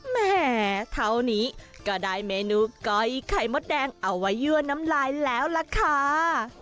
แหมเท่านี้ก็ได้เมนูก้อยไข่มดแดงเอาไว้ยั่วน้ำลายแล้วล่ะค่ะ